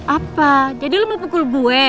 apa jadi lo mau pukul gue